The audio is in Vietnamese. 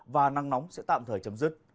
và năng nóng sẽ tạm thời chấm dứt